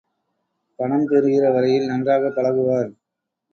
பணம் பெறுகிற வரையில் நன்றாகப் பழகுவார்.